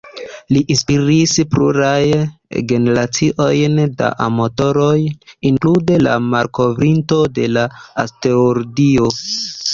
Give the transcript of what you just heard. Li inspiris plurajn generaciojn da amatoroj, inklude la malkovrinto de la asteroido.